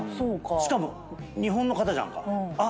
しかも日本の方じゃんか。